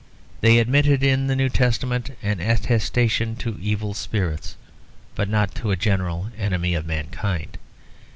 They admitted in the New Testament an attestation to evil spirits, but not to a general enemy of mankind.